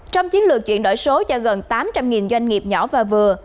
trong chiến lược chuyển đổi số cho gần tám trăm linh doanh nghiệp nhỏ và vừa